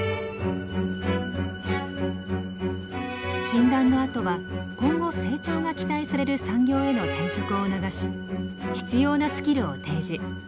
診断のあとは今後成長が期待される産業への転職を促し必要なスキルを提示。